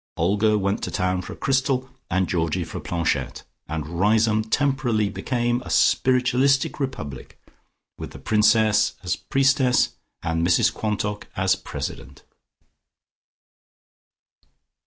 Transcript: Olga went to town for a crystal, and Georgie for a planchette, and Riseholme temporarily became a spiritualistic republic, with the Princess as priestess and Mrs Quantock as President.